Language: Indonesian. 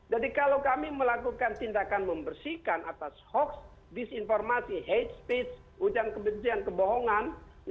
kalau kami melakukan tindakan membersihkan atas hoax disinformasi hate speech ujang kebencian kebohongan